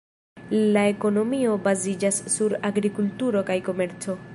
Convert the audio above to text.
La ekonomio baziĝas sur agrikulturo kaj komerco.